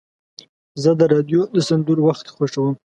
زه د راډیو د سندرو وخت خوښوم.